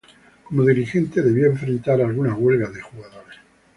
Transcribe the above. Como dirigente, debió enfrentar algunas huelgas de jugadores.